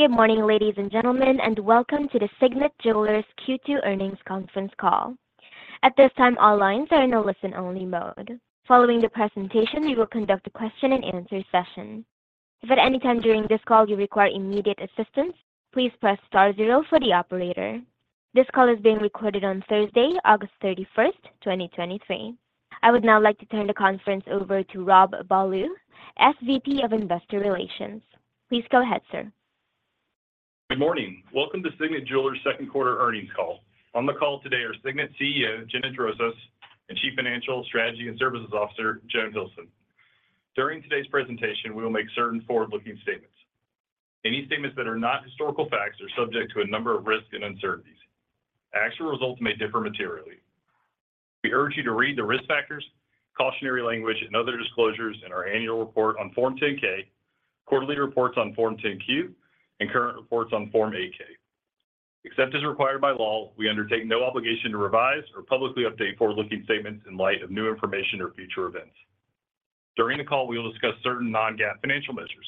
Good morning, ladies and gentlemen, and welcome to the Signet Jewelers Q2 Earnings Conference Call. At this time, all lines are in a listen-only mode. Following the presentation, we will conduct a question-and-answer session. If at any time during this call you require immediate assistance, please press star zero for the operator. This call is being recorded on Thursday, August 31, 2023. I would now like to turn the conference over to Rob Ballew, SVP of Investor Relations. Please go ahead, sir. Good morning. Welcome to Signet Jewelers' second quarter earnings call. On the call today are Signet CEO, Gina Drosos, and Chief Financial, Strategy and Services Officer, Joan Hilson. During today's presentation, we will make certain forward-looking statements. Any statements that are not historical facts are subject to a number of risks and uncertainties. Actual results may differ materially. We urge you to read the risk factors, cautionary language, and other disclosures in our annual report on Form 10-K, quarterly reports on Form 10-Q, and current reports on Form 8-K. Except as required by law, we undertake no obligation to revise or publicly update forward-looking statements in light of new information or future events. During the call, we will discuss certain non-GAAP financial measures.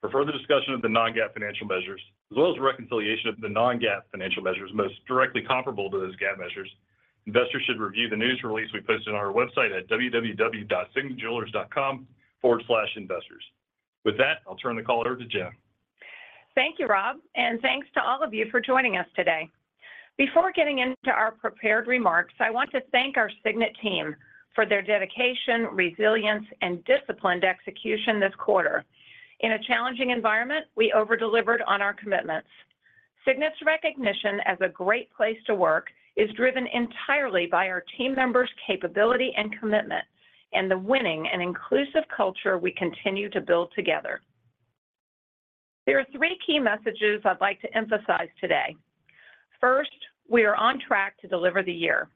For further discussion of the non-GAAP financial measures, as well as reconciliation of the non-GAAP financial measures most directly comparable to those GAAP measures, investors should review the news release we posted on our website at www.signetjewelers.com/investors. With that, I'll turn the call over to Gina. Thank you, Rob, and thanks to all of you for joining us today. Before getting into our prepared remarks, I want to thank our Signet team for their dedication, resilience, and disciplined execution this quarter. In a challenging environment, we over-delivered on our commitments. Signet's recognition as a Great Place to Work is driven entirely by our team members' capability and commitment and the winning and inclusive culture we continue to build together. There are three key messages I'd like to emphasize today. First, we are on track to deliver the year.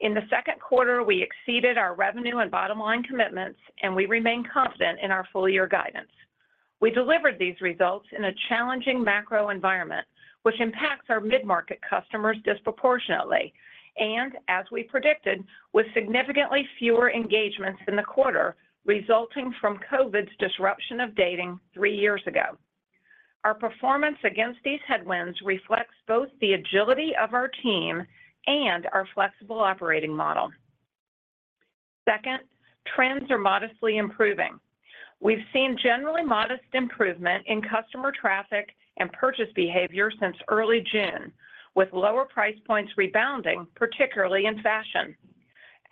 In the second quarter, we exceeded our revenue and bottom-line commitments, and we remain confident in our full-year guidance. We delivered these results in a challenging macro environment, which impacts our mid-market customers disproportionately, and as we predicted, with significantly fewer engagements in the quarter resulting from COVID's disruption of dating three years ago. Our performance against these headwinds reflects both the agility of our team and our flexible operating model. Second, trends are modestly improving. We've seen generally modest improvement in customer traffic and purchase behavior since early June, with lower price points rebounding, particularly in fashion.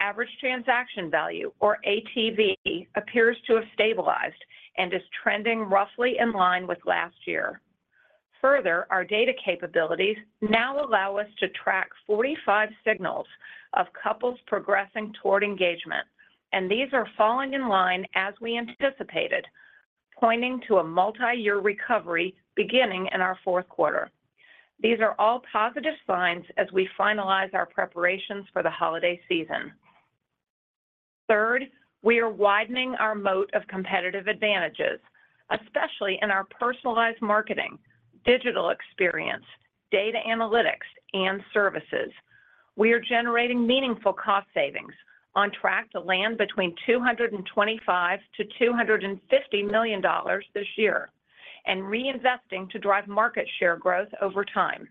Average transaction value, or ATV, appears to have stabilized and is trending roughly in line with last year. Further, our data capabilities now allow us to track 45 signals of couples progressing toward engagement, and these are falling in line as we anticipated, pointing to a multi-year recovery beginning in our fourth quarter. These are all positive signs as we finalize our preparations for the holiday season. Third, we are widening our moat of competitive advantages, especially in our personalized marketing, digital experience, data analytics, and services. We are generating meaningful cost savings, on track to land between $225 million-$250 million this year, and reinvesting to drive market share growth over time.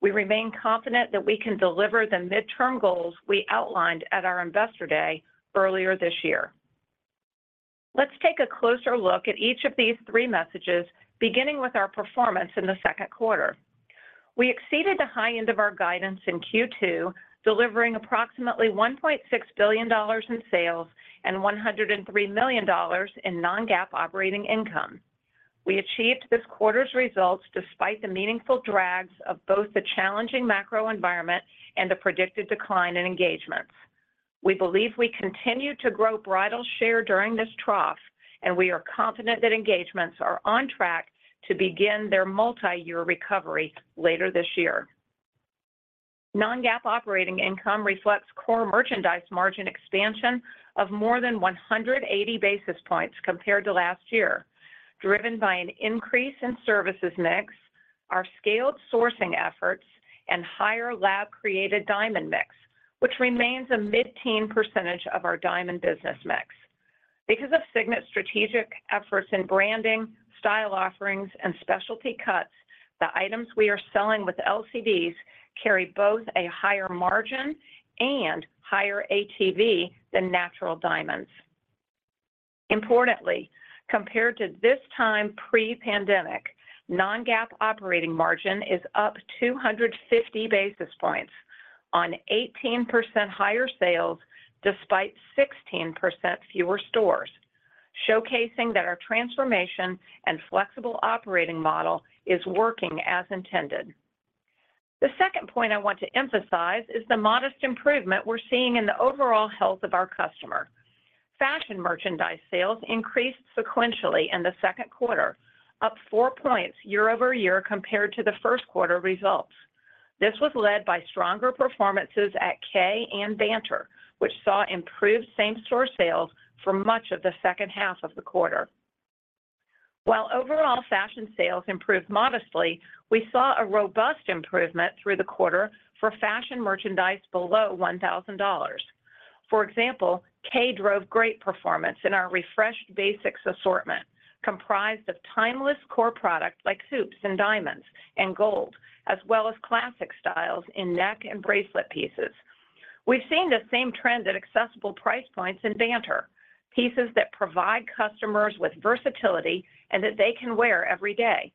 We remain confident that we can deliver the midterm goals we outlined at our Investor Day earlier this year. Let's take a closer look at each of these three messages, beginning with our performance in the second quarter. We exceeded the high end of our guidance in Q2, delivering approximately $1.6 billion in sales and $103 million in non-GAAP operating income. We achieved this quarter's results despite the meaningful drags of both the challenging macro environment and the predicted decline in engagements. We believe we continue to grow bridal share during this trough, and we are confident that engagements are on track to begin their multi-year recovery later this year. Non-GAAP operating income reflects core merchandise margin expansion of more than 180 basis points compared to last year, driven by an increase in services mix, our scaled sourcing efforts, and higher Lab-Created Diamonds mix, which remains a mid-teen % of our diamond business mix. Because of Signet's strategic efforts in branding, style offerings, and specialty cuts, the items we are selling with LCDs carry both a higher margin and higher ATV than natural diamonds. Importantly, compared to this time pre-pandemic, non-GAAP operating margin is up 250 basis points on 18% higher sales, despite 16% fewer stores, showcasing that our transformation and flexible operating model is working as intended. The second point I want to emphasize is the modest improvement we're seeing in the overall health of our customer. Fashion merchandise sales increased sequentially in the second quarter, up 4 points year-over-year compared to the first quarter results. This was led by stronger performances at Kay and Banter, which saw improved same-store sales for much of the second half of the quarter. While overall fashion sales improved modestly, we saw a robust improvement through the quarter for fashion merchandise below $1,000. For example, Kay drove great performance in our refreshed basics assortment, comprised of timeless core products like hoops and diamonds and gold, as well as classic styles in necklace and bracelet pieces. We've seen the same trend at accessible price points in Banter, pieces that provide customers with versatility and that they can wear every day.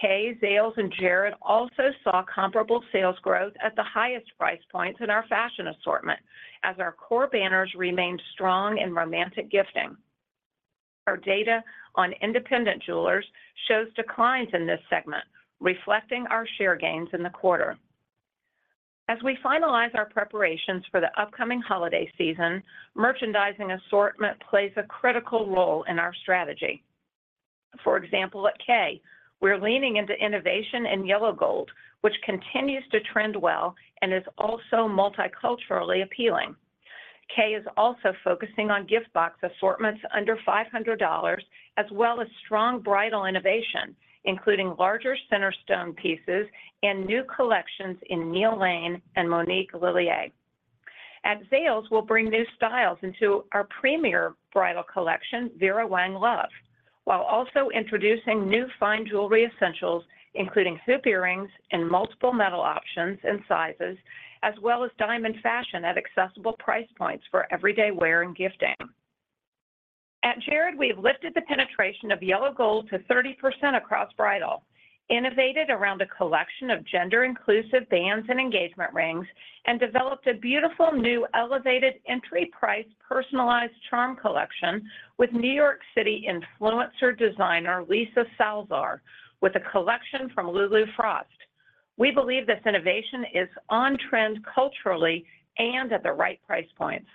Kay, Zales, and Jared also saw comparable sales growth at the highest price points in our fashion assortment, as our core banners remained strong in romantic gifting. Our data on independent jewelers shows declines in this segment, reflecting our share gains in the quarter. As we finalize our preparations for the upcoming holiday season, merchandising assortment plays a critical role in our strategy. For example, at Kay, we're leaning into innovation in yellow gold, which continues to trend well and is also multiculturally appealing. Kay is also focusing on gift box assortments under $500, as well as strong bridal innovation, including larger center stone pieces and new collections in Neil Lane and Monique Lhuillier. At Zales, we'll bring new styles into our premier bridal collection, Vera Wang Love, while also introducing new fine jewelry essentials, including hoop earrings in multiple metal options and sizes, as well as diamond fashion at accessible price points for everyday wear and gifting. At Jared, we've lifted the penetration of yellow gold to 30% across bridal, innovated around a collection of gender-inclusive bands and engagement rings, and developed a beautiful, new, elevated entry price, personalized charm collection with New York City influencer designer, Lisa Salzer, with a collection from Lulu Frost. We believe this innovation is on trend culturally and at the right price points.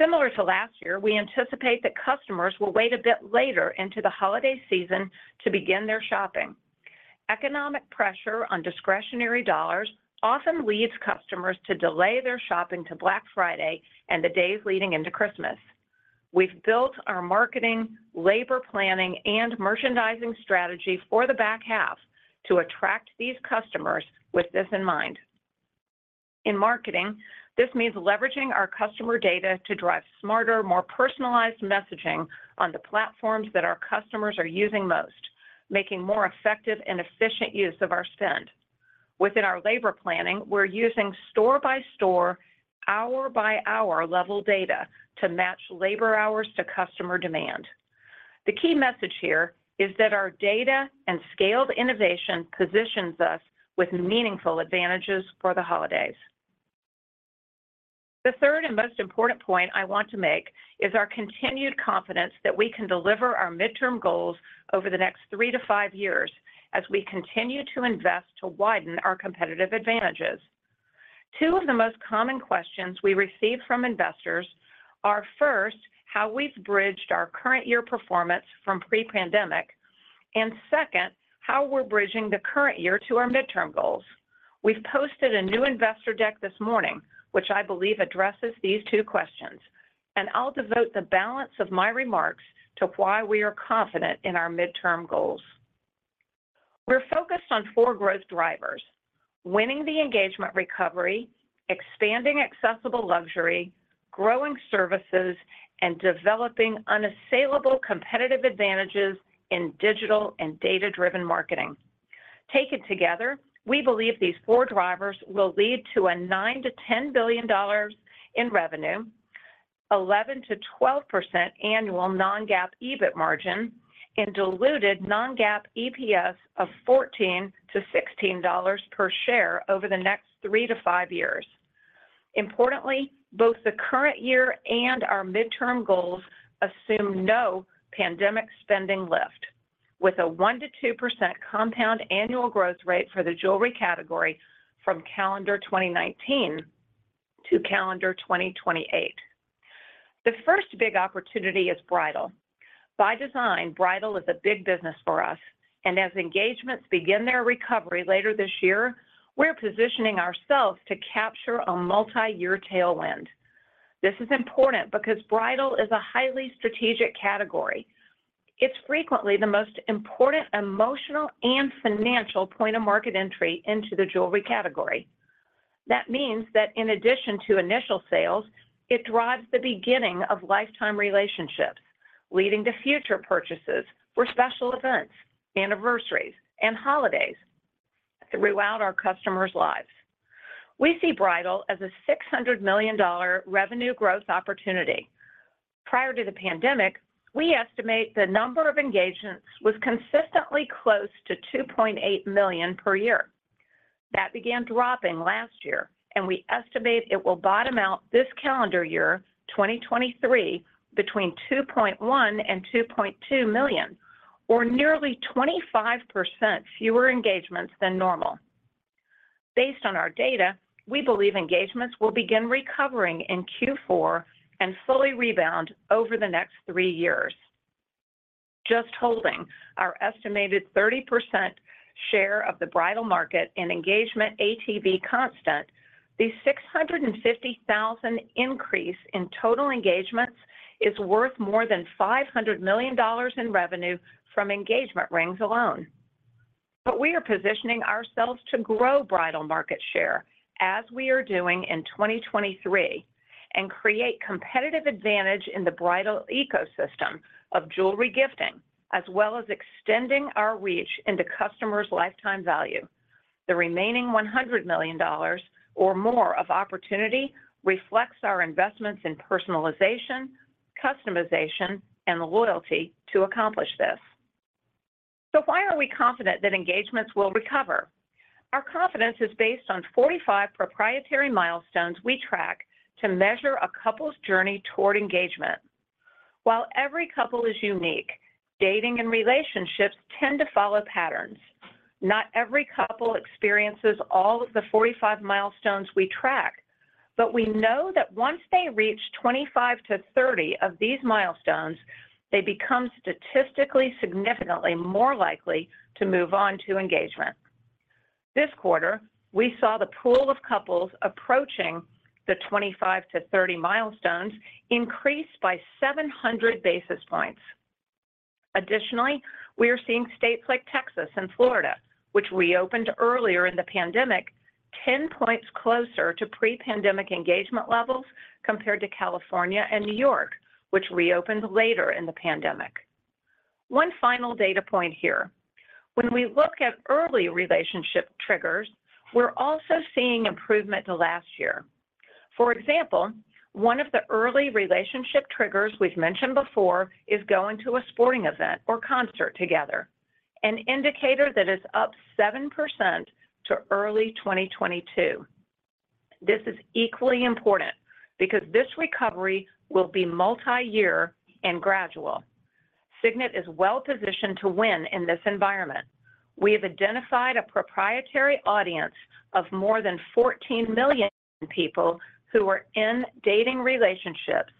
Similar to last year, we anticipate that customers will wait a bit later into the holiday season to begin their shopping. Economic pressure on discretionary dollars often leads customers to delay their shopping to Black Friday and the days leading into Christmas. We've built our marketing, labor planning, and merchandising strategy for the back half to attract these customers with this in mind. In marketing, this means leveraging our customer data to drive smarter, more personalized messaging on the platforms that our customers are using most, making more effective and efficient use of our spend. Within our labor planning, we're using store-by-store, hour-by-hour level data to match labor hours to customer demand. The key message here is that our data and scaled innovation positions us with meaningful advantages for the holidays. The third and most important point I want to make is our continued confidence that we can deliver our midterm goals over the next three to five years as we continue to invest to widen our competitive advantages. Two of the most common questions we receive from investors are, first, how we've bridged our current year performance from pre-pandemic, and second, how we're bridging the current year to our midterm goals. We've posted a new investor deck this morning, which I believe addresses these two questions, and I'll devote the balance of my remarks to why we are confident in our midterm goals. We're focused on 4 growth drivers: winning the engagement recovery, expanding accessible luxury, growing services, and developing unassailable competitive advantages in digital and data-driven marketing. Taken together, we believe these 4 drivers will lead to $9-$10 billion in revenue, 11%-12% annual non-GAAP EBIT margin, and diluted non-GAAP EPS of $14-$16 per share over the next 3-5 years. Importantly, both the current year and our midterm goals assume no pandemic spending lift, with a 1%-2% compound annual growth rate for the jewelry category from calendar 2019 to calendar 2028. The first big opportunity is bridal. By design, bridal is a big business for us, and as engagements begin their recovery later this year, we're positioning ourselves to capture a multi-year tailwind. This is important because bridal is a highly strategic category. It's frequently the most important emotional and financial point of market entry into the jewelry category. That means that in addition to initial sales, it drives the beginning of lifetime relationships, leading to future purchases for special events, anniversaries, and holidays throughout our customers' lives. We see bridal as a $600 million revenue growth opportunity. Prior to the pandemic, we estimate the number of engagements was consistently close to 2.8 million per year. That began dropping last year, and we estimate it will bottom out this calendar year, 2023, between 2.1 and 2.2 million, or nearly 25% fewer engagements than normal. Based on our data, we believe engagements will begin recovering in Q4 and fully rebound over the next three years. Just holding our estimated 30% share of the bridal market and engagement ATV constant, the 650,000 increase in total engagements is worth more than $500 million in revenue from engagement rings alone... But we are positioning ourselves to grow bridal market share as we are doing in 2023, and create competitive advantage in the bridal ecosystem of jewelry gifting, as well as extending our reach into customers' lifetime value. The remaining $100 million or more of opportunity reflects our investments in personalization, customization, and loyalty to accomplish this. So why are we confident that engagements will recover? Our confidence is based on 45 proprietary milestones we track to measure a couple's journey toward engagement. While every couple is unique, dating and relationships tend to follow patterns. Not every couple experiences all of the 45 milestones we track, but we know that once they reach 25-30 of these milestones, they become statistically significantly more likely to move on to engagement. This quarter, we saw the pool of couples approaching the 25-30 milestones increase by 700 basis points. Additionally, we are seeing states like Texas and Florida, which reopened earlier in the pandemic, 10 points closer to pre-pandemic engagement levels compared to California and New York, which reopened later in the pandemic. One final data point here. When we look at early relationship triggers, we're also seeing improvement to last year. For example, one of the early relationship triggers we've mentioned before is going to a sporting event or concert together, an indicator that is up 7% to early 2022. This is equally important because this recovery will be multi-year and gradual. Signet is well-positioned to win in this environment. We have identified a proprietary audience of more than 14 million people who are in dating relationships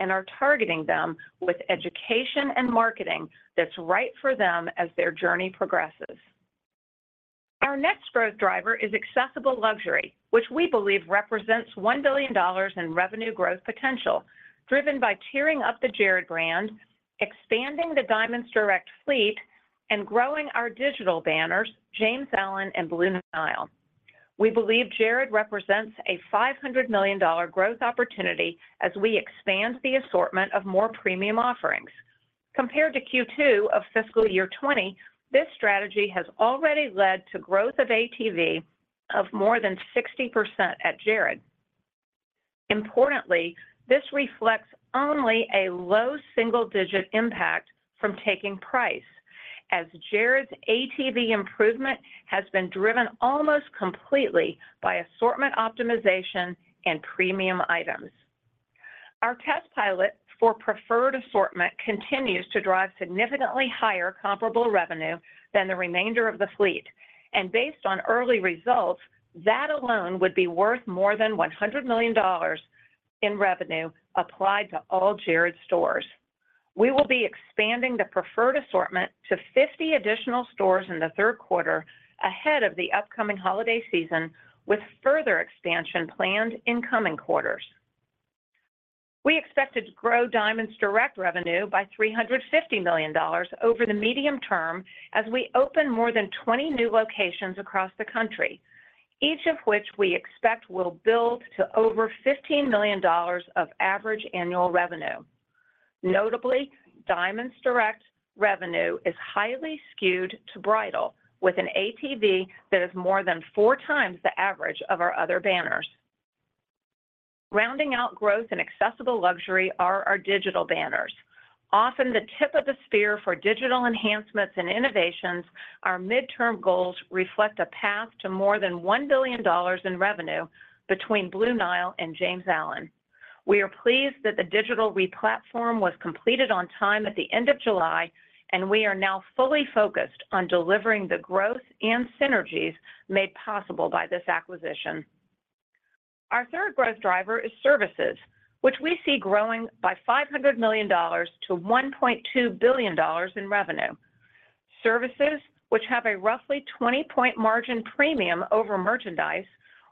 and are targeting them with education and marketing that's right for them as their journey progresses. Our next growth driver is accessible luxury, which we believe represents $1 billion in revenue growth potential, driven by tiering up the Jared brand, expanding the Diamonds Direct fleet, and growing our digital banners, James Allen and Blue Nile. We believe Jared represents a $500 million growth opportunity as we expand the assortment of more premium offerings. Compared to Q2 of fiscal year 2020, this strategy has already led to growth of ATV of more than 60% at Jared. Importantly, this reflects only a low single-digit impact from taking price, as Jared's ATV improvement has been driven almost completely by assortment, optimization, and premium items. Our test pilot for preferred assortment continues to drive significantly higher comparable revenue than the remainder of the fleet, and based on early results, that alone would be worth more than $100 million in revenue applied to all Jared stores. We will be expanding the preferred assortment to 50 additional stores in the third quarter ahead of the upcoming holiday season, with further expansion planned in coming quarters. We expected to grow Diamonds Direct revenue by $350 million over the medium term as we open more than 20 new locations across the country, each of which we expect will build to over $15 million of average annual revenue. Notably, Diamonds Direct revenue is highly skewed to bridal, with an ATV that is more than 4 times the average of our other banners. Rounding out growth and accessible luxury are our digital banners. Often the tip of the spear for digital enhancements and innovations, our midterm goals reflect a path to more than $1 billion in revenue between Blue Nile and James Allen. We are pleased that the digital replatform was completed on time at the end of July, and we are now fully focused on delivering the growth and synergies made possible by this acquisition. Our third growth driver is services, which we see growing by $500 million-$1.2 billion in revenue. Services, which have a roughly 20-point margin premium over merchandise,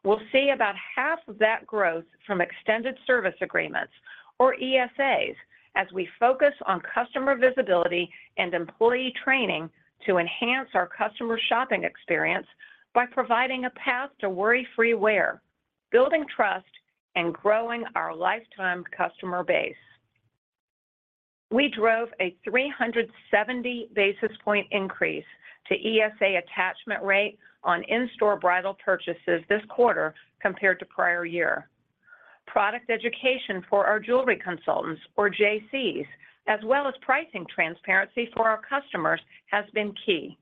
will see about half of that growth from extended service agreements or ESAs, as we focus on customer visibility and employee training to enhance our customer shopping experience by providing a path to worry-free wear, building trust, and growing our lifetime customer base. We drove a 370 basis point increase to ESAs attachment rate on in-store bridal purchases this quarter compared to prior year. Product education for our jewelry consultants or JCs, as well as pricing transparency for our customers, has been key.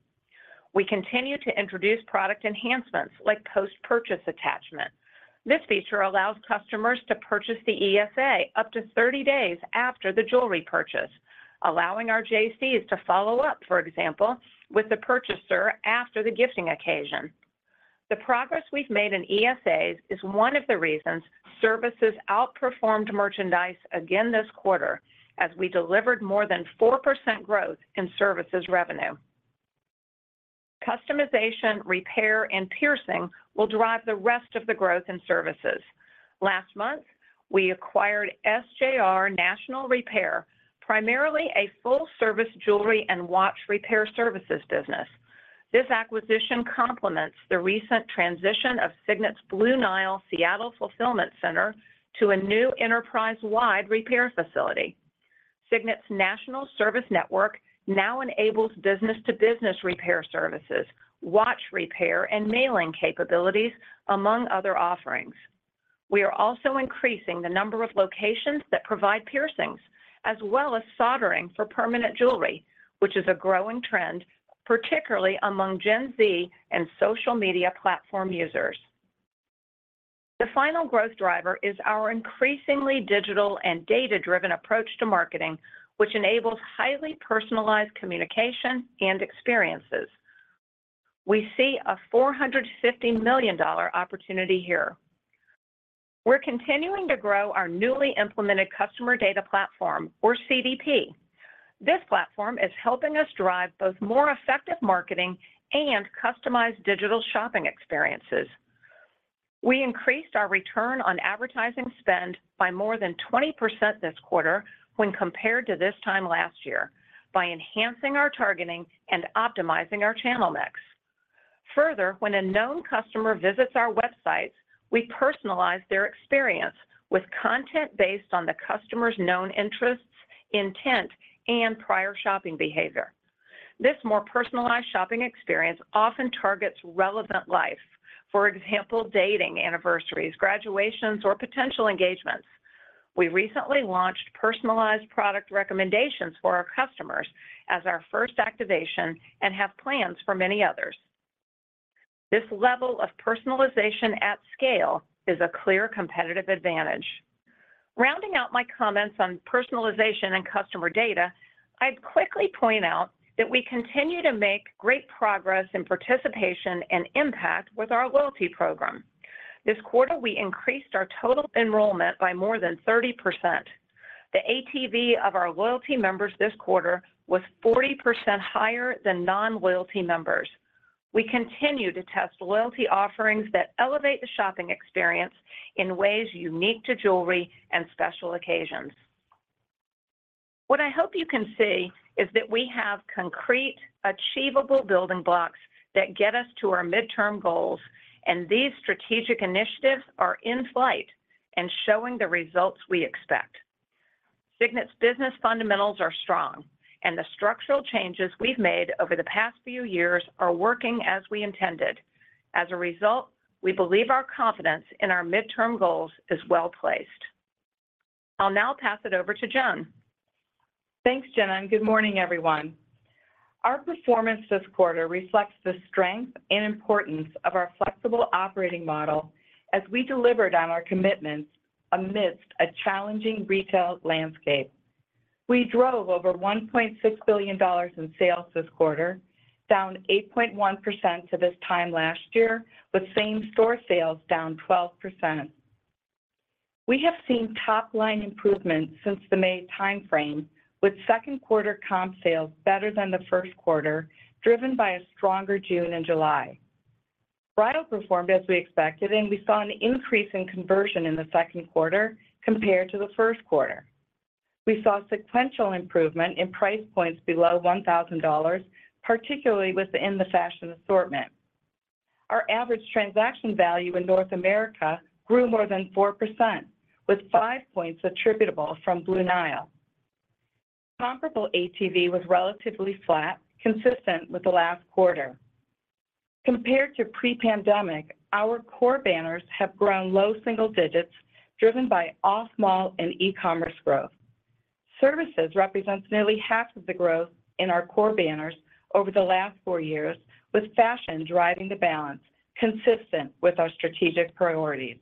We continue to introduce product enhancements like post-purchase attachment. This feature allows customers to purchase the ESAs up to 30 days after the jewelry purchase, allowing our JCs to follow up, for example, with the purchaser after the gifting occasion. The progress we've made in ESAs is one of the reasons services outperformed merchandise again this quarter, as we delivered more than 4% growth in services revenue. Customization, repair, and piercing will drive the rest of the growth in services. Last month, we acquired SJR National Repair, primarily a full-service jewelry and watch repair services business. This acquisition complements the recent transition of Signet's Blue Nile Seattle fulfillment center to a new enterprise-wide repair facility. Signet's national service network now enables business-to-business repair services, watch repair, and mailing capabilities, among other offerings. We are also increasing the number of locations that provide piercings, as well as soldering for permanent jewelry, which is a growing trend, particularly among Gen Z and social media platform users. The final growth driver is our increasingly digital and data-driven approach to marketing, which enables highly personalized communication and experiences. We see a $450 million opportunity here. We're continuing to grow our newly implemented customer data platform or CDP. This platform is helping us drive both more effective marketing and customized digital shopping experiences. We increased our return on advertising spend by more than 20% this quarter when compared to this time last year by enhancing our targeting and optimizing our channel mix. Further, when a known customer visits our website, we personalize their experience with content based on the customer's known interests, intent, and prior shopping behavior. This more personalized shopping experience often targets relevant life. For example, dating anniversaries, graduations, or potential engagements. We recently launched personalized product recommendations for our customers as our first activation and have plans for many others. This level of personalization at scale is a clear competitive advantage. Rounding out my comments on personalization and customer data, I'd quickly point out that we continue to make great progress in participation and impact with our loyalty program. This quarter, we increased our total enrollment by more than 30%. The ATV of our loyalty members this quarter was 40% higher than non-loyalty members. We continue to test loyalty offerings that elevate the shopping experience in ways unique to jewelry and special occasions. What I hope you can see is that we have concrete, achievable building blocks that get us to our midterm goals, and these strategic initiatives are in flight and showing the results we expect. Signet's business fundamentals are strong, and the structural changes we've made over the past few years are working as we intended. As a result, we believe our confidence in our midterm goals is well-placed. I'll now pass it over to Joan. Thanks, Jenna, and good morning, everyone. Our performance this quarter reflects the strength and importance of our flexible operating model as we delivered on our commitments amidst a challenging retail landscape. We drove over $1.6 billion in sales this quarter, down 8.1% to this time last year, with same-store sales down 12%. We have seen top-line improvements since the May timeframe, with second quarter comp sales better than the first quarter, driven by a stronger June and July. Bridal performed as we expected, and we saw an increase in conversion in the second quarter compared to the first quarter. We saw sequential improvement in price points below $1,000, particularly within the fashion assortment. Our average transaction value in North America grew more than 4%, with 5 points attributable from Blue Nile. Comparable ATV was relatively flat, consistent with the last quarter. Compared to pre-pandemic, our core banners have grown low single digits, driven by off-mall and e-commerce growth. Services represents nearly half of the growth in our core banners over the last four years, with fashion driving the balance consistent with our strategic priorities.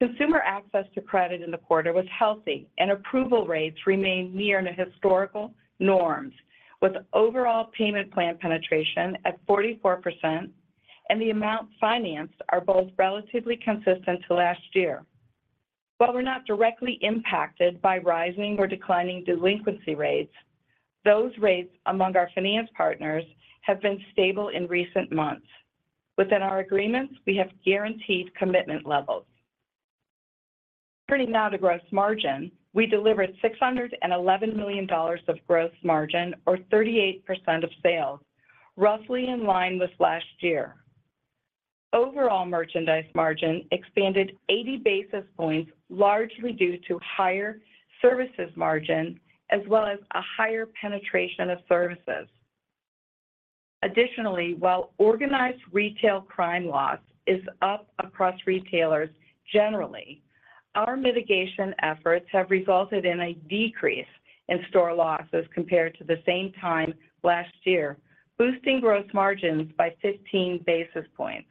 Consumer access to credit in the quarter was healthy, and approval rates remained near the historical norms, with overall payment plan penetration at 44%, and the amount financed are both relatively consistent to last year. While we're not directly impacted by rising or declining delinquency rates, those rates among our finance partners have been stable in recent months. Within our agreements, we have guaranteed commitment levels. Turning now to gross margin, we delivered $611 million of gross margin or 38% of sales, roughly in line with last year. Overall, merchandise margin expanded 80 basis points, largely due to higher services margin, as well as a higher penetration of services. Additionally, while Organized Retail Crime loss is up across retailers generally, our mitigation efforts have resulted in a decrease in store losses compared to the same time last year, boosting gross margins by 15 basis points.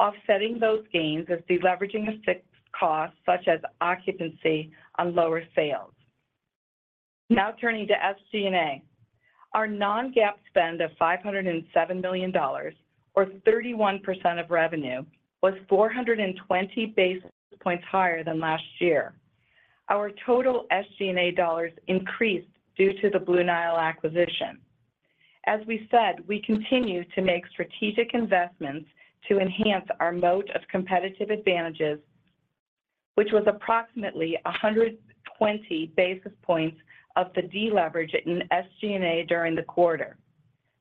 Offsetting those gains is deleveraging of fixed costs such as occupancy on lower sales. Now turning to SG&A. Our non-GAAP spend of $507 million, or 31% of revenue, was 420 basis points higher than last year. Our total SG&A dollars increased due to the Blue Nile acquisition... As we said, we continue to make strategic investments to enhance our moat of competitive advantages, which was approximately 120 basis points of the deleverage in SG&A during the quarter.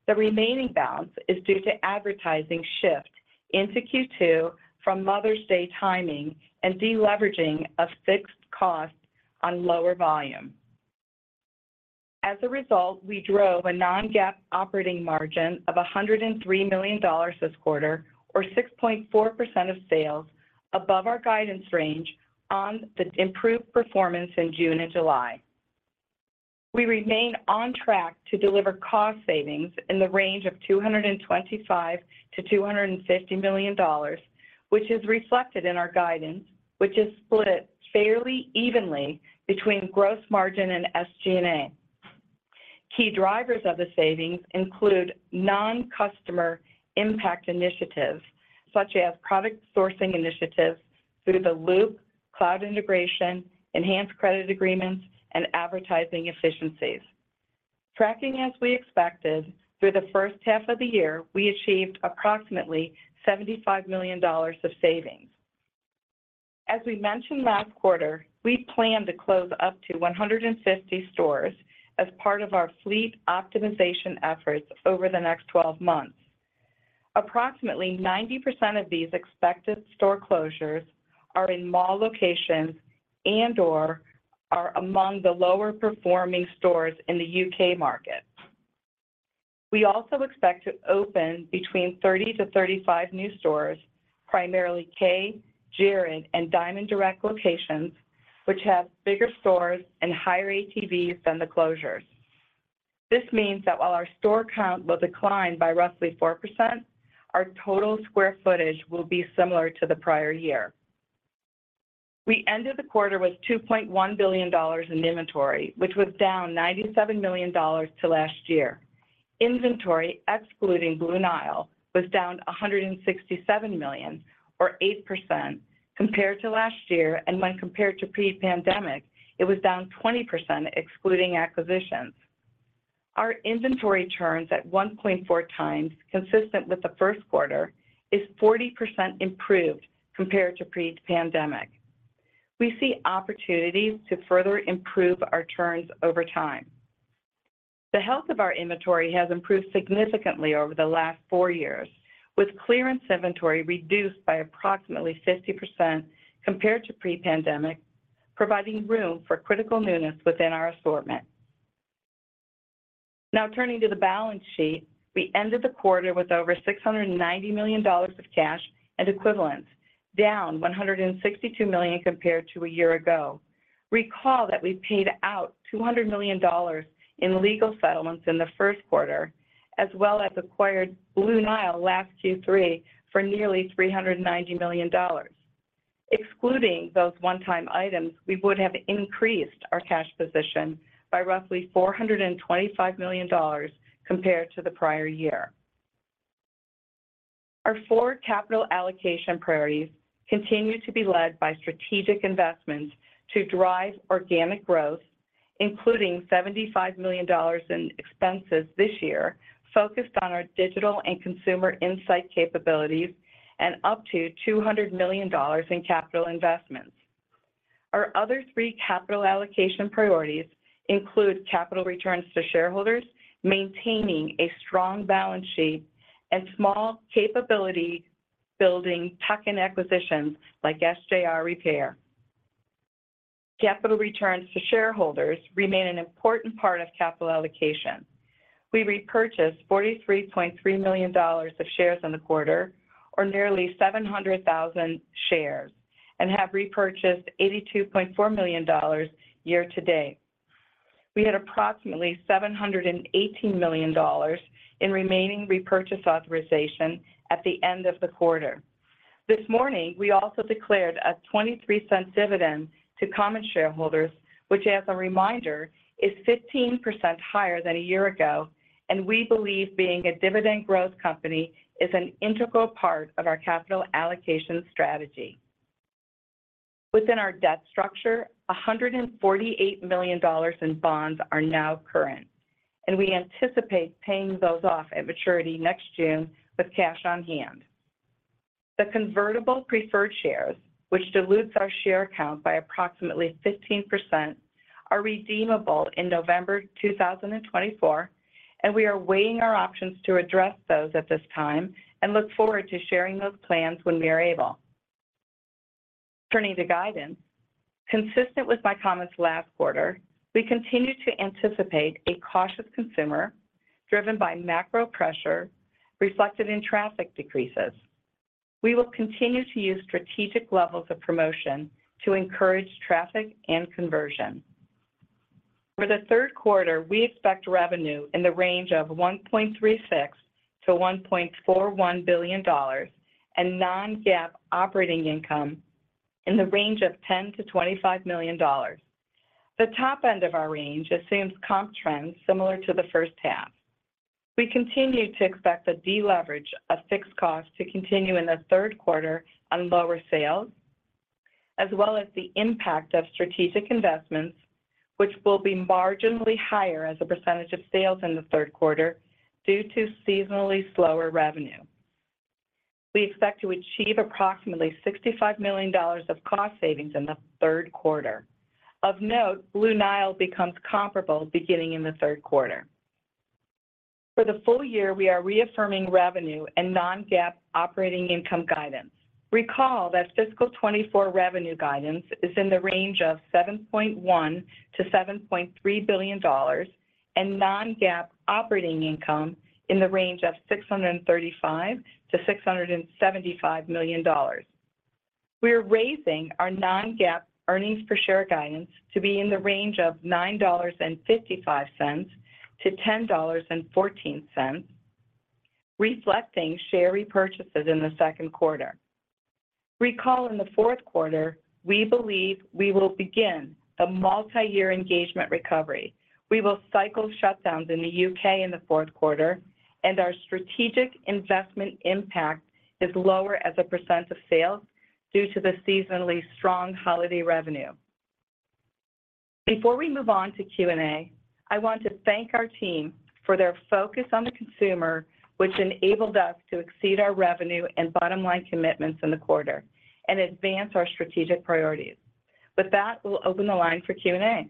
The remaining balance is due to advertising shift into Q2 from Mother's Day timing and deleveraging of fixed costs on lower volume. As a result, we drove a non-GAAP operating margin of $103 million this quarter, or 6.4% of sales above our guidance range on the improved performance in June and July. We remain on track to deliver cost savings in the range of $225 million-$250 million, which is reflected in our guidance, which is split fairly evenly between gross margin and SG&A. Key drivers of the savings include non-customer impact initiatives, such as product sourcing initiatives through The Loop, cloud integration, enhanced credit agreements, and advertising efficiencies. Tracking as we expected, through the first half of the year, we achieved approximately $75 million of savings. As we mentioned last quarter, we plan to close up to 150 stores as part of our fleet optimization efforts over the next 12 months. Approximately 90% of these expected store closures are in mall locations and/or are among the lower-performing stores in the U.K. market. We also expect to open between 30-35 new stores, primarily Kay, Jared, and Diamonds Direct locations, which have bigger stores and higher ATVs than the closures. This means that while our store count will decline by roughly 4%, our total square footage will be similar to the prior year. We ended the quarter with $2.1 billion in inventory, which was down $97 million to last year. Inventory, excluding Blue Nile, was down $167 million, or 8% compared to last year, and when compared to pre-pandemic, it was down 20%, excluding acquisitions. Our inventory turns at 1.4 times, consistent with the first quarter, is 40% improved compared to pre-pandemic. We see opportunities to further improve our turns over time. The health of our inventory has improved significantly over the last four years, with clearance inventory reduced by approximately 50% compared to pre-pandemic, providing room for critical newness within our assortment. Now, turning to the balance sheet, we ended the quarter with over $690 million of cash and equivalents, down $162 million compared to a year ago. Recall that we paid out $200 million in legal settlements in the first quarter, as well as acquired Blue Nile last Q3 for nearly $390 million. Excluding those one-time items, we would have increased our cash position by roughly $425 million compared to the prior year. Our four capital allocation priorities continue to be led by strategic investments to drive organic growth, including $75 million in expenses this year, focused on our digital and consumer insight capabilities, and up to $200 million in capital investments. Our other three capital allocation priorities include capital returns to shareholders, maintaining a strong balance sheet, and small capability building tuck-in acquisitions, like SJR Repair. Capital returns to shareholders remain an important part of capital allocation. We repurchased $43.3 million of shares in the quarter, or nearly 700,000 shares, and have repurchased $82.4 million year to date. We had approximately $718 million in remaining repurchase authorization at the end of the quarter. This morning, we also declared a $0.23 dividend to common shareholders, which, as a reminder, is 15% higher than a year ago, and we believe being a dividend growth company is an integral part of our capital allocation strategy. Within our debt structure, $148 million in bonds are now current, and we anticipate paying those off at maturity next June with cash on hand. The convertible preferred shares, which dilutes our share count by approximately 15%, are redeemable in November 2024, and we are weighing our options to address those at this time and look forward to sharing those plans when we are able. Turning to guidance, consistent with my comments last quarter, we continue to anticipate a cautious consumer, driven by macro pressure, reflected in traffic decreases. We will continue to use strategic levels of promotion to encourage traffic and conversion. For the third quarter, we expect revenue in the range of $1.36 billion-$1.41 billion and non-GAAP operating income in the range of $10 million-$25 million. The top end of our range assumes comp trends similar to the first half. We continue to expect the deleverage of fixed costs to continue in the third quarter on lower sales.... As well as the impact of strategic investments, which will be marginally higher as a percentage of sales in the third quarter due to seasonally slower revenue. We expect to achieve approximately $65 million of cost savings in the third quarter. Of note, Blue Nile becomes comparable beginning in the third quarter. For the full year, we are reaffirming revenue and non-GAAP operating income guidance. Recall that fiscal 2024 revenue guidance is in the range of $7.1 billion-$7.3 billion, and non-GAAP operating income in the range of $635 million-$675 million. We are raising our non-GAAP earnings per share guidance to be in the range of $9.55-$10.14, reflecting share repurchases in the second quarter. Recall, in the fourth quarter, we believe we will begin a multiyear engagement recovery. We will cycle shutdowns in the U.K. in the fourth quarter, and our strategic investment impact is lower as a % of sales due to the seasonally strong holiday revenue. Before we move on to Q&A, I want to thank our team for their focus on the consumer, which enabled us to exceed our revenue and bottom-line commitments in the quarter and advance our strategic priorities. With that, we'll open the line for Q&A.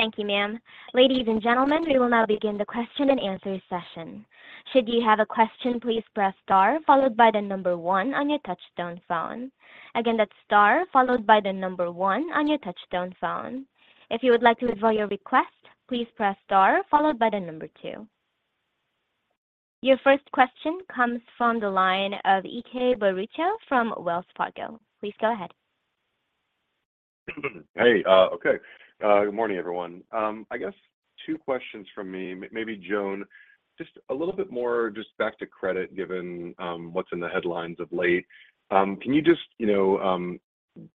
Thank you, ma'am. Ladies and gentlemen, we will now begin the question-and-answer session. Should you have a question, please press star followed by the number one on your touchtone phone. Again, that's star followed by the number one on your touchtone phone. If you would like to withdraw your request, please press star followed by the number two. Your first question comes from the line of Ike Boruchow from Wells Fargo. Please go ahead. Hey, okay. Good morning, everyone. I guess two questions from me. Maybe, Joan, just a little bit more just back to credit, given what's in the headlines of late. Can you just, you know,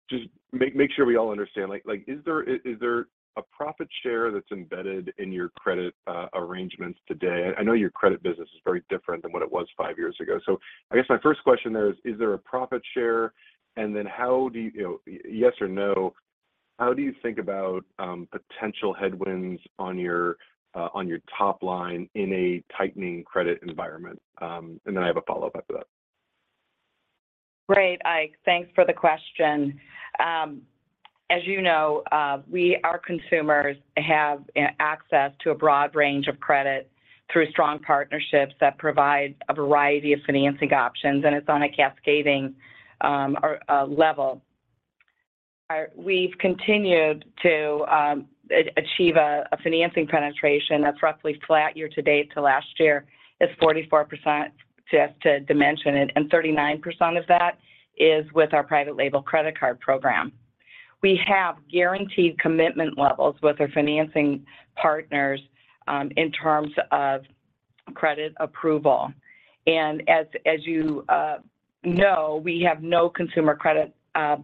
just make sure we all understand, like, is there a profit share that's embedded in your credit arrangements today? I know your credit business is very different than what it was five years ago. So I guess my first question there is: Is there a profit share? And then how do you... You know, yes or no, how do you think about potential headwinds on your top line in a tightening credit environment? And then I have a follow-up after that. Great, Ike. Thanks for the question. As you know, our consumers have access to a broad range of credit through strong partnerships that provide a variety of financing options, and it's on a cascading, or, level. We've continued to achieve a financing penetration that's roughly flat year to date to last year. It's 44%, just to dimension it, and 39% of that is with our private label credit card program. We have guaranteed commitment levels with our financing partners, in terms of credit approval. And as you know, we have no consumer credit,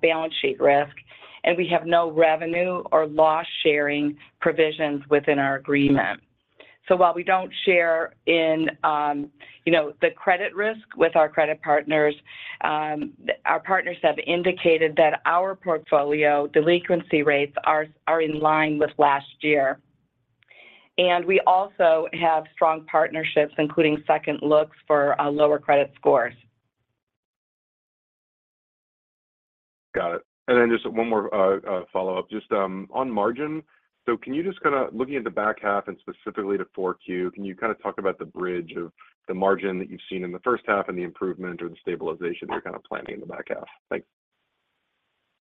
balance sheet risk, and we have no revenue or loss sharing provisions within our agreement. So while we don't share in, you know, the credit risk with our credit partners, our partners have indicated that our portfolio delinquency rates are in line with last year. And we also have strong partnerships, including second looks for lower credit scores. Got it. And then just one more follow-up. Just on margin, so can you just kinda... Looking at the back half, and specifically to Q4, can you kinda talk about the bridge of the margin that you've seen in the first half and the improvement or the stabilization you're kinda planning in the back half? Thanks.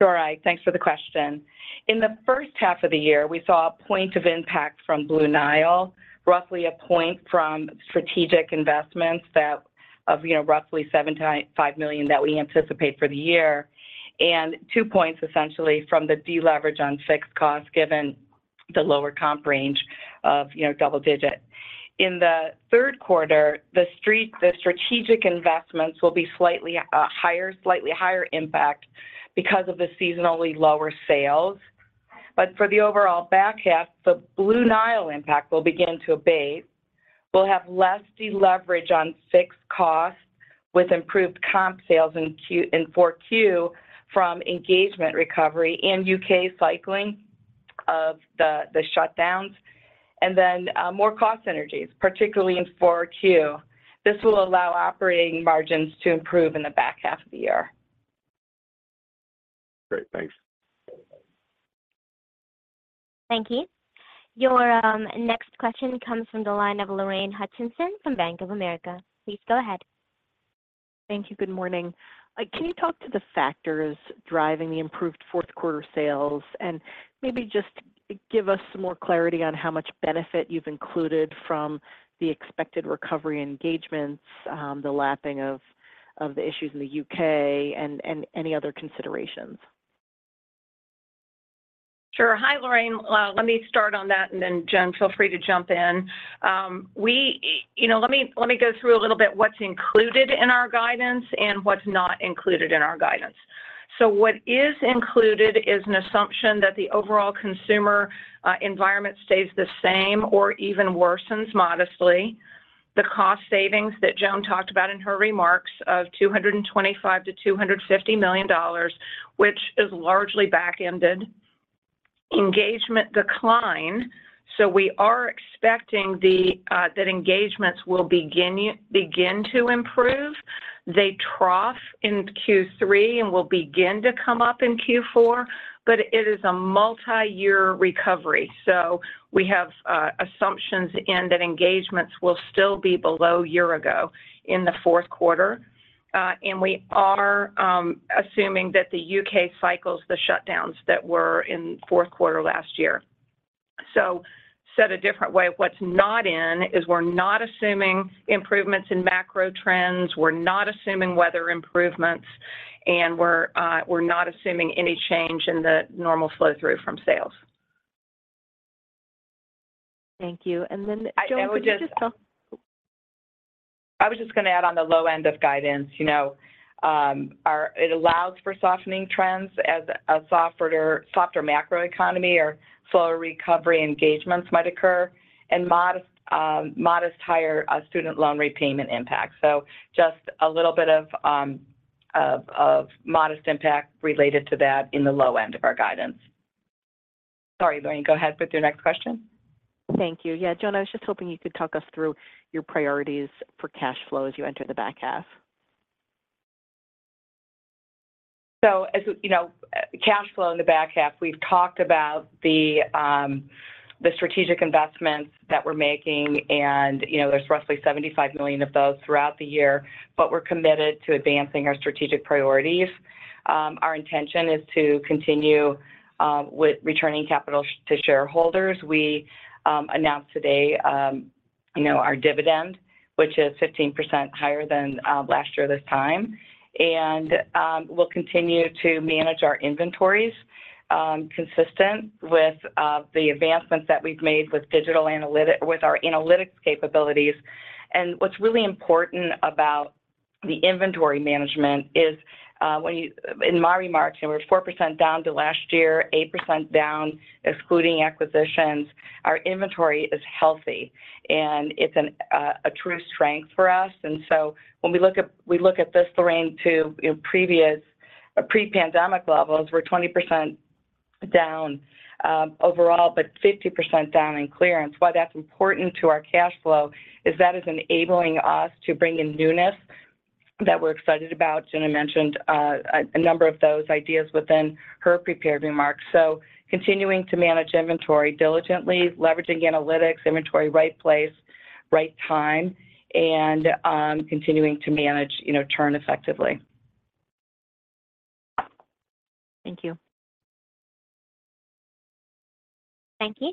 Sure, Ike. Thanks for the question. In the first half of the year, we saw a point of impact from Blue Nile, roughly a point from strategic investments that of, you know, roughly $75 million that we anticipate for the year, and two points essentially from the deleverage on fixed costs, given the lower comp range of, you know, double digit. In the third quarter, the street, the strategic investments will be slightly higher, slightly higher impact because of the seasonally lower sales. But for the overall back half, the Blue Nile impact will begin to abate. We'll have less deleverage on fixed costs with improved comp sales in Q4 from engagement recovery and U.K. cycling of the, the shutdowns, and then more cost synergies, particularly in Q4. This will allow operating margins to improve in the back half of the year. Great. Thanks. Thank you. Your next question comes from the line of Lorraine Hutchinson from Bank of America. Please go ahead. Thank you. Good morning. Can you talk to the factors driving the improved fourth quarter sales? And maybe just give us some more clarity on how much benefit you've included from the expected recovery engagements, the lapping of the issues in the U.K. and any other considerations. Sure. Hi, Lorraine. Let me start on that, and then, Joan, feel free to jump in. We, you know, let me, let me go through a little bit what's included in our guidance and what's not included in our guidance.... So what is included is an assumption that the overall consumer environment stays the same or even worsens modestly. The cost savings that Joan talked about in her remarks of $225 million-$250 million, which is largely back-ended. Engagement decline, so we are expecting that engagements will begin to improve. They trough in Q3 and will begin to come up in Q4, but it is a multi-year recovery. So we have assumptions in that engagements will still be below year ago in the fourth quarter. And we are assuming that the UK cycles the shutdowns that were in fourth quarter last year. So said a different way, what's not in is we're not assuming improvements in macro trends, we're not assuming weather improvements, and we're, we're not assuming any change in the normal flow-through from sales. Thank you. And then, Joan, could you just talk- I was just gonna add on the low end of guidance. You know, our-- it allows for softening trends as a softer macroeconomy or slower recovery engagements might occur, and modest higher student loan repayment impact. So just a little bit of modest impact related to that in the low end of our guidance. Sorry, Lorraine, go ahead with your next question. Thank you. Yeah, Joan, I was just hoping you could talk us through your priorities for cash flow as you enter the back half. So as you know, cash flow in the back half, we've talked about the strategic investments that we're making, and, you know, there's roughly $75 million of those throughout the year, but we're committed to advancing our strategic priorities. Our intention is to continue with returning capital to shareholders. We announced today, you know, our dividend, which is 15% higher than last year this time. We'll continue to manage our inventories consistent with the advancements that we've made with our analytics capabilities. What's really important about the inventory management is, in my remarks, and we're 4% down to last year, 8% down, excluding acquisitions, our inventory is healthy, and it's a true strength for us. So when we look at this, Lorraine, to, you know, previous pre-pandemic levels, we're 20% down overall, but 50% down in clearance. Why that's important to our cash flow is that is enabling us to bring in newness that we're excited about. Jenna mentioned a number of those ideas within her prepared remarks. So continuing to manage inventory diligently, leveraging analytics, inventory, right place, right time, and continuing to manage, you know, turn effectively. Thank you. Thank you.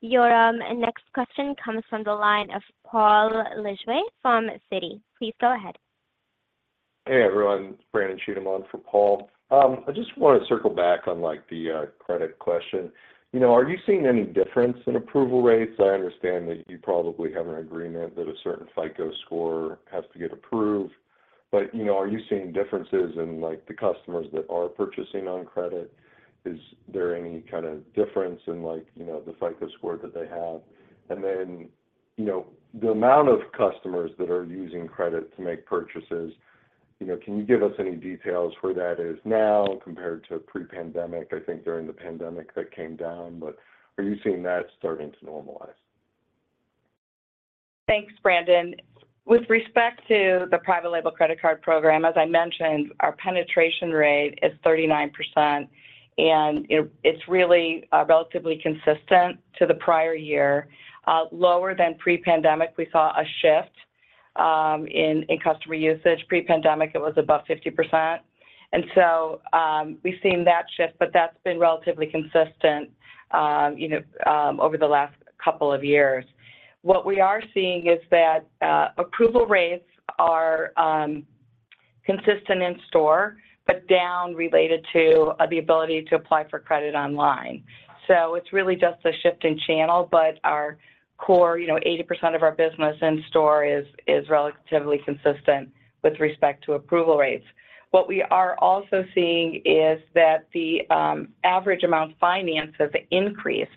Your next question comes from the line of Paul Lejuez from Citi. Please go ahead. Hey, everyone, Brandon Cheatham on for Paul. I just want to circle back on, like, the credit question. You know, are you seeing any difference in approval rates? I understand that you probably have an agreement that a certain FICO score has to get approved, but, you know, are you seeing differences in, like, the customers that are purchasing on credit? Is there any kind of difference in, like, you know, the FICO score that they have? And then, you know, the amount of customers that are using credit to make purchases, you know, can you give us any details where that is now compared to pre-pandemic? I think during the pandemic, that came down, but are you seeing that starting to normalize? Thanks, Brandon. With respect to the private label credit card program, as I mentioned, our penetration rate is 39%, and it's really relatively consistent to the prior year. Lower than pre-pandemic, we saw a shift in customer usage. Pre-pandemic, it was above 50%. And so, we've seen that shift, but that's been relatively consistent, you know, over the last couple of years. What we are seeing is that approval rates are consistent in store, but down related to the ability to apply for credit online. So it's really just a shift in channel, but our core, you know, 80% of our business in store is relatively consistent with respect to approval rates. What we are also seeing is that the average amount financed has increased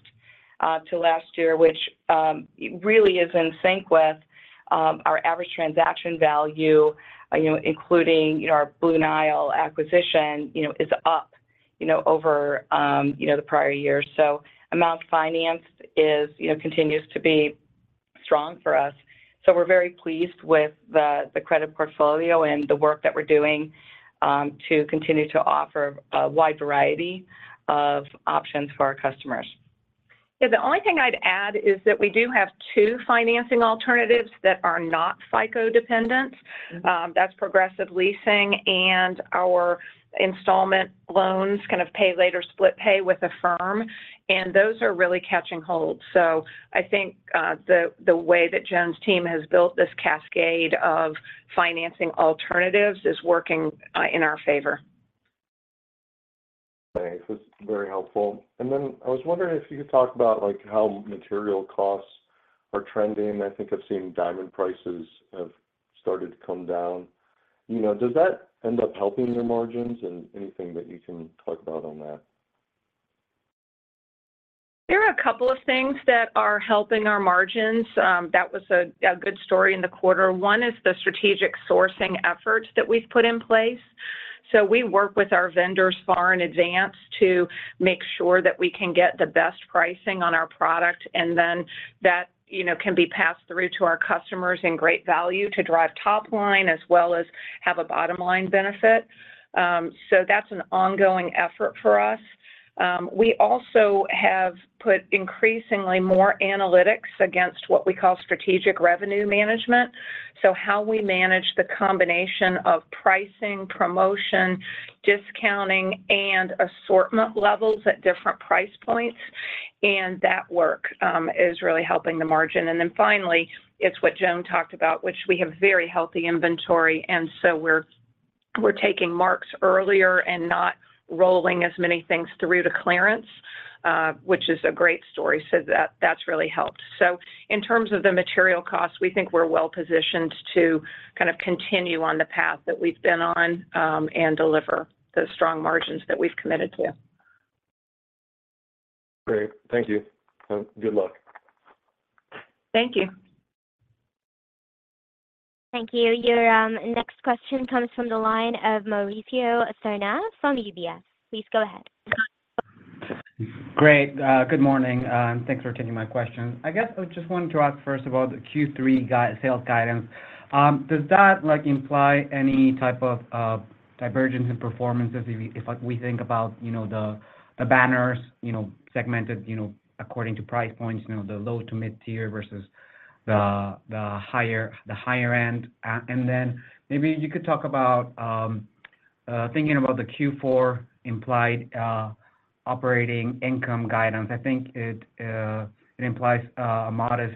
to last year, which really is in sync with our average transaction value, you know, including, you know, our Blue Nile acquisition, you know, is up, you know, over the prior year. So amount financed, you know, continues to be strong for us, so we're very pleased with the credit portfolio and the work that we're doing to continue to offer a wide variety of options for our customers. Yeah, the only thing I'd add is that we do have two financing alternatives that are not FICO dependent. That's Progressive Leasing and our installment loans, kind of pay later, split pay with Affirm, and those are really catching hold. So I think the way that Joan's team has built this cascade of financing alternatives is working in our favor.... Thanks, it's very helpful. And then I was wondering if you could talk about, like, how material costs are trending. I think I've seen diamond prices have started to come down. You know, does that end up helping your margins? And anything that you can talk about on that. There are a couple of things that are helping our margins, that was a good story in the quarter. One is the strategic sourcing efforts that we've put in place. So we work with our vendors far in advance to make sure that we can get the best pricing on our product, and then that, you know, can be passed through to our customers in great value to drive top line as well as have a bottom line benefit. So that's an ongoing effort for us. We also have put increasingly more analytics against what we call Strategic Revenue Management, so how we manage the combination of pricing, promotion, discounting, and assortment levels at different price points, and that work is really helping the margin. And then finally, it's what Joan talked about, which we have very healthy inventory, and so we're taking marks earlier and not rolling as many things through to clearance, which is a great story, so that, that's really helped. So in terms of the material costs, we think we're well positioned to kind of continue on the path that we've been on, and deliver the strong margins that we've committed to. Great. Thank you, and good luck. Thank you. Thank you. Your next question comes from the line of Mauricio Serna from UBS. Please go ahead. Great. Good morning, thanks for taking my question. I guess I just wanted to ask, first of all, the Q3 guide, sales guidance. Does that, like, imply any type of divergence in performance if, like, we think about, you know, the banners, you know, segmented, you know, according to price points, you know, the low to mid-tier versus the higher end? And then maybe you could talk about thinking about the Q4 implied operating income guidance. I think it implies a modest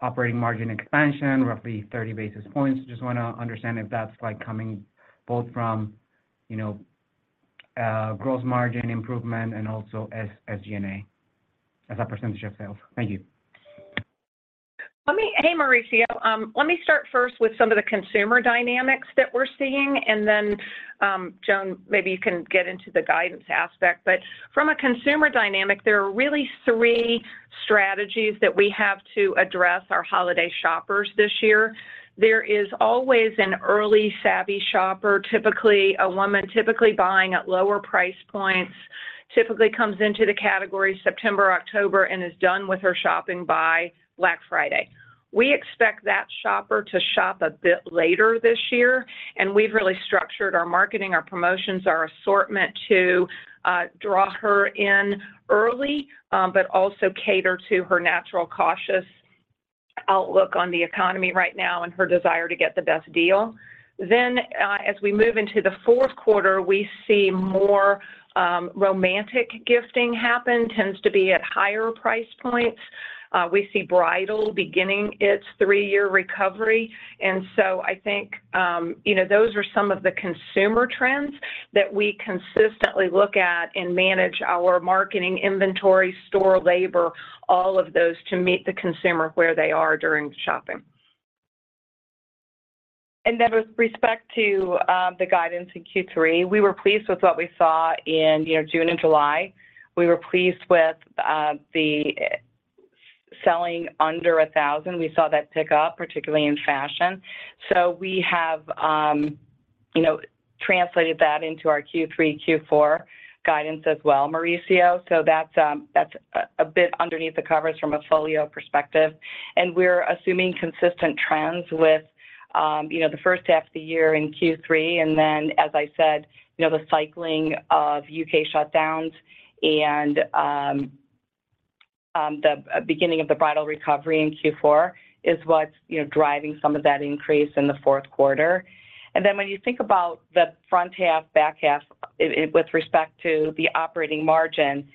operating margin expansion, roughly 30 basis points. Just wanna understand if that's, like, coming both from, you know, gross margin improvement and also SG&A as a percentage of sales. Thank you. Hey, Mauricio. Let me start first with some of the consumer dynamics that we're seeing, and then, Joan, maybe you can get into the guidance aspect. But from a consumer dynamic, there are really three strategies that we have to address our holiday shoppers this year. There is always an early savvy shopper, typically a woman, typically buying at lower price points, typically comes into the category September, October, and is done with her shopping by Black Friday. We expect that shopper to shop a bit later this year, and we've really structured our marketing, our promotions, our assortment to draw her in early, but also cater to her natural cautious outlook on the economy right now and her desire to get the best deal. Then, as we move into the fourth quarter, we see more romantic gifting happen, tends to be at higher price points. We see bridal beginning its three-year recovery. And so I think, you know, those are some of the consumer trends that we consistently look at and manage our marketing, inventory, store labor, all of those to meet the consumer where they are during shopping. And then with respect to the guidance in Q3, we were pleased with what we saw in, you know, June and July. We were pleased with the selling under $1,000. We saw that pick up, particularly in fashion. So we have, you know, translated that into our Q3, Q4 guidance as well, Mauricio. So that's a bit underneath the covers from a portfolio perspective. And we're assuming consistent trends with, you know, the first half of the year in Q3. And then, as I said, you know, the cycling of UK shutdowns and, the beginning of the bridal recovery in Q4 is what's, you know, driving some of that increase in the fourth quarter. And then when you think about the front half, back half, it, with respect to the operating margin,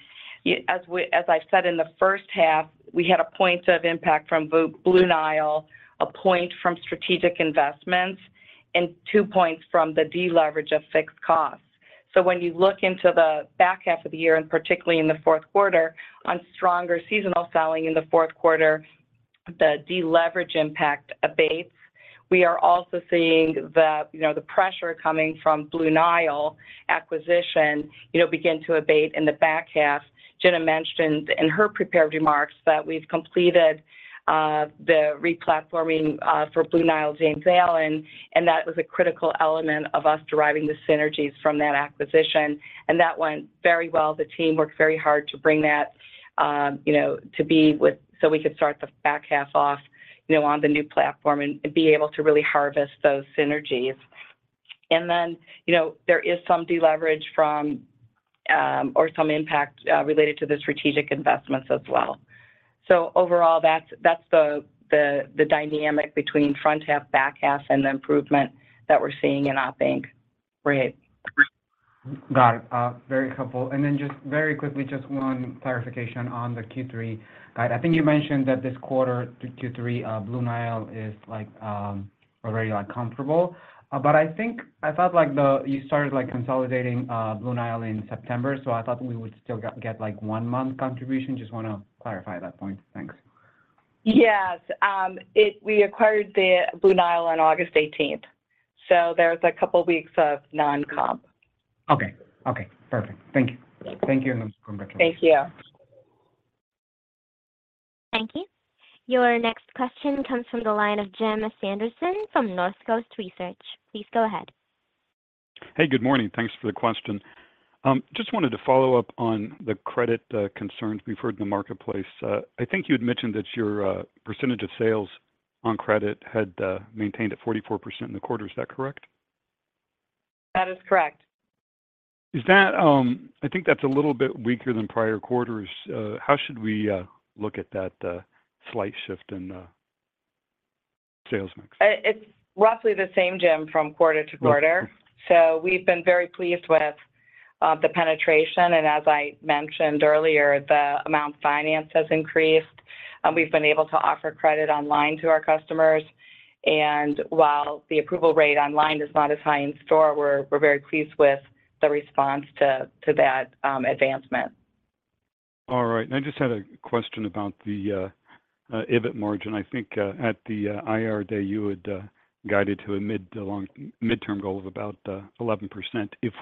as we, as I said in the first half, we had a point of impact from Blue Nile, a point from strategic investments, and two points from the deleverage of fixed costs. So when you look into the back half of the year, and particularly in the fourth quarter, on stronger seasonal selling in the fourth quarter, the deleverage impact abates. We are also seeing the, you know, the pressure coming from Blue Nile acquisition, you know, begin to abate in the back half. Jenna mentioned in her prepared remarks that we've completed the replatforming for Blue Nile, James Allen, and that was a critical element of us deriving the synergies from that acquisition, and that went very well. The team worked very hard to bring that, you know, so we could start the back half off, you know, on the new platform and be able to really harvest those synergies. And then, you know, there is some deleverage from or some impact related to the strategic investments as well. So overall, that's the dynamic between front half, back half, and the improvement that we're seeing in op inc. Great.... Got it. Very helpful. And then just very quickly, just one clarification on the Q3 guide. I think you mentioned that this quarter, to Q3, Blue Nile is like, already, like, comfortable. But I think I thought, like, the, you started, like, consolidating, Blue Nile in September, so I thought we would still get, get, like, one month contribution. Just wanna clarify that point. Thanks. Yes, we acquired the Blue Nile on August 18, so there's a couple weeks of non-comp. Okay. Okay, perfect. Thank you. Yeah. Thank you, and congratulations. Thank you. Thank you. Your next question comes from the line of Jim Sanderson from North Coast Research. Please go ahead. Hey, good morning. Thanks for the question. Just wanted to follow up on the credit concerns we've heard in the marketplace. I think you had mentioned that your percentage of sales on credit had maintained at 44% in the quarter. Is that correct? That is correct. Is that, I think that's a little bit weaker than prior quarters. How should we look at that slight shift in sales mix? It's roughly the same, Jim, from quarter to quarter. Okay. We've been very pleased with the penetration, and as I mentioned earlier, the amount financed has increased, and we've been able to offer credit online to our customers. While the approval rate online is not as high in store, we're very pleased with the response to that advancement. All right. And I just had a question about the EBIT margin. I think at the IR day, you had guided to a mid- to long-term goal of about 11%. If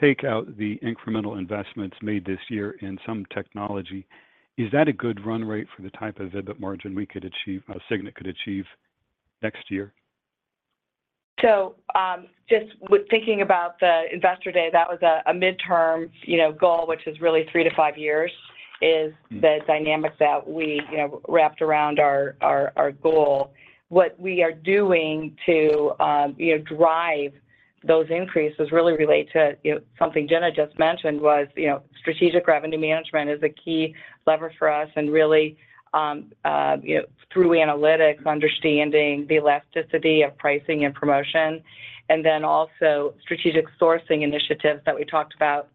we take out the incremental investments made this year in some technology, is that a good run rate for the type of EBIT margin we could achieve, Signet could achieve next year? So, just with thinking about the investor day, that was a midterm, you know, goal, which is really three to five years, is the dynamics that we, you know, wrapped around our goal. What we are doing to, you know, drive those increases really relate to, you know, something Jenna just mentioned was, you know, strategic revenue management is a key lever for us and really, you know, through analytics, understanding the elasticity of pricing and promotion, and then also strategic sourcing initiatives that we talked about